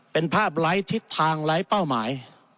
เป็นภาพไร้ทิศทางไร้เป้าหมาย